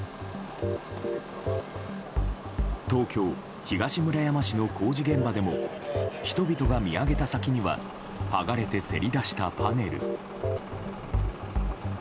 東京・東村山市の工事現場でも人々が見上げた先には剥がれて、せり出したパネル。